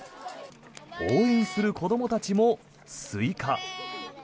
応援する子どもたちもスイカ。